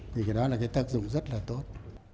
thì cái đó là cái tác dụng rất là tốt